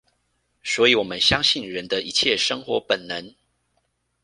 所以我們相信人的一切生活本能